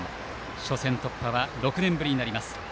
初戦突破は６年ぶりになります。